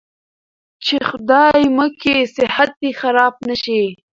چې خدايه مکې صحت دې خراب نه شي.